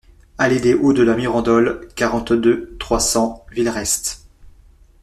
Allée des Hauts de la Mirandole, quarante-deux, trois cents Villerest